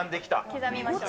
刻みました。